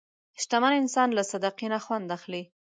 شتمن انسان له صدقې نه خوند اخلي.